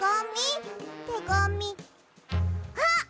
あっ！